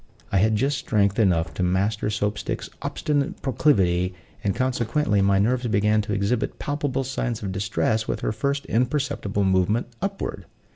I had just strength enough to master Soap stick's obstinate proclivity, and, consequently, my nerves began to exhibit palpable signs of distress with her first imperceptible movement upward.